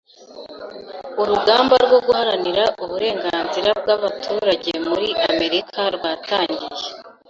Urugamba rwo guharanira uburenganzira bw’abaturage muri Amerika rwatangiye